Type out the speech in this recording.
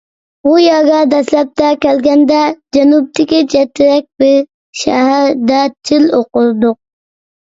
بۇ يەرگە دەسلەپتە كەلگەندە جەنۇبتىكى چەترەك بىر شەھەردە تىل ئوقۇدۇق.